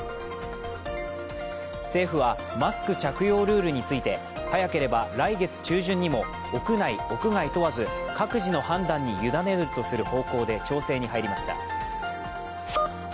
政府は、マスク着用ルールについて早ければ来月中旬にも屋内・屋外問わず各自の判断に委ねるとする方向で調整に入りました。